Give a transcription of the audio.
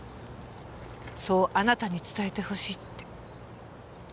そうあなたに伝えてほしいって。